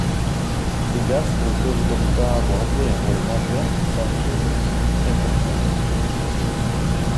Ces gaz ne peuvent donc pas avoir joué un rôle majeur sans source importante.